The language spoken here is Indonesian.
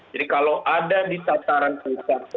jadi kalau ada di tataran pusat